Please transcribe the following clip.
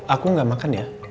aku gak makan ya